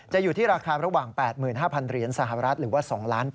อยู่ที่ราคาระหว่าง๘๕๐๐เหรียญสหรัฐหรือว่า๒๘๐๐